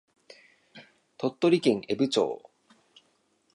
鳥取県江府町